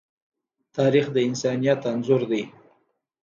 تاریخ د انسانیت انځور دی.